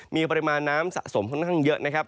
มีปริมาณน้ำสะสมค่อนข้างเยอะนะครับ